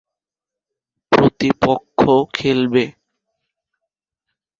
প্রতিপক্ষ খেলবে।